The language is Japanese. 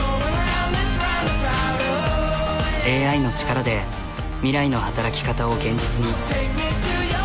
ＡＩの力で未来の働き方を現実に。